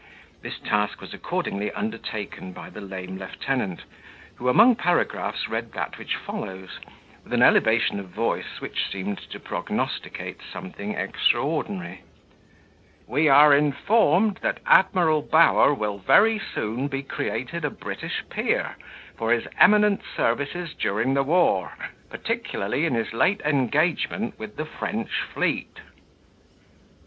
This task was accordingly undertaken by the lame lieutenant, who, among paragraphs, read that which follows, with an elevation of voice which seemed to prognosticate something extraordinary: "We are informed, that Admiral Bower will very soon be created a British peer, for his eminent services during the war, particularly in his late engagement with the French fleet."